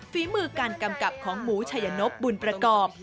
ฝีมือการกำกับของหมูชัยนบบุญประกอบ